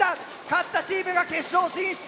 勝ったチームが決勝進出。